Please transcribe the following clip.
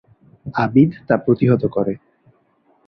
আবিদ তা প্রতিহত করে।